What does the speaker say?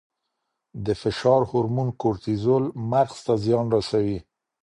د فشار هورمون کورټیزول مغز ته زیان رسوي.